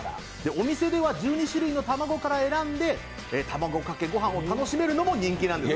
お店では１２種類の卵から選んで卵かけご飯を楽しめるのも人気なんです。